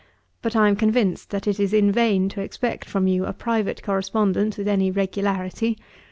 But I am convinced that it is in vain to expect from you a private correspondence with any regularity.